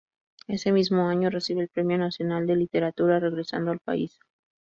Ese mismo año recibe el Premio Nacional de Literatura, regresando al país.